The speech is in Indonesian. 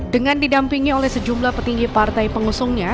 dengan didampingi oleh sejumlah petinggi partai pengusungnya